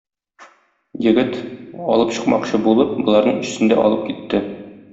Егет, алып чыкмакчы булып, боларның өчесен дә алып китте.